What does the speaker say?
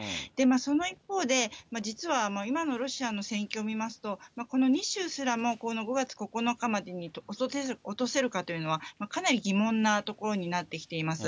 その一方で、実は今のロシアの戦況を見ますと、この２州すらも、この５月９日までに落とせるかというのは、かなり疑問なところになってきています。